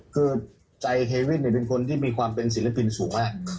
คือใจเฮวินเป็นคนที่มีความเป็นศิลปินสูงมาก